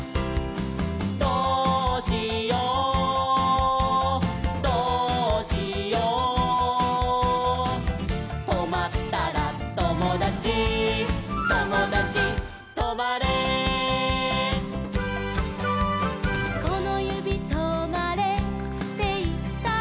「どうしようどうしよう」「とまったらともだちともだちとまれ」「このゆびとまれっていったら」